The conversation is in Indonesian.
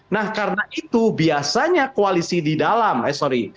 nah karena itu biasanya koalisi di dalam eh sorry